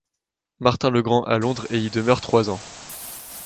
Martins-le-Grand à Londres, et y demeure trois ans.